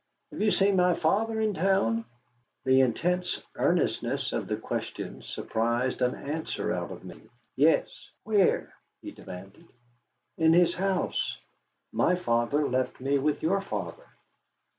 "Have you seen my father in town?" The intense earnestness of the question surprised an answer out of me. "Yes." "Where?" he demanded. "In his house. My father left me with your father."